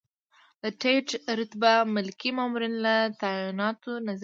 د ټیټ رتبه ملکي مامورینو له تعیناتو نظارت.